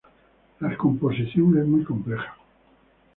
La composición es muy compleja.